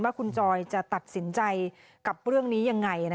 ว่าคุณจอยจะตัดสินใจกับเรื่องนี้ยังไง